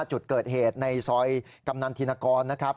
จุดเกิดเหตุในซอยกำนันธินกรนะครับ